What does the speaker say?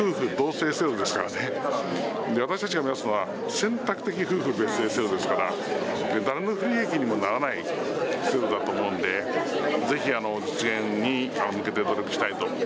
私たちが目指すのは選択的夫婦別姓制度ですから誰の不利益にもならない制度だと思うのでぜひ実現に向けて努力したいと。